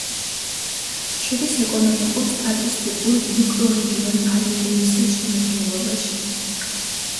შედის ეკონომიკურ-სტატისტიკურ მიკრორეგიონ არიკემისის შემადგენლობაში.